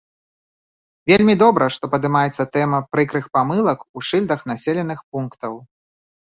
Вельмі добра, што падымаецца тэма прыкрых памылак у шыльдах населеных пунктаў.